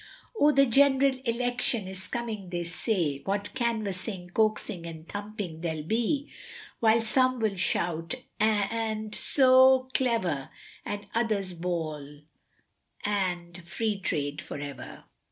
O the general Election is coming they say, What canvassing, coaxing, and thumping there'll be, While some will shout and so clever, And others bawl and free trade for ever.